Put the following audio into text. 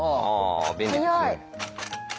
便利ですね。